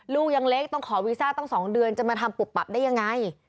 ลูกยังเล็กต้องขอวีซ่าตั้ง๒เดือนจะมาทำปุบปับได้ยังไง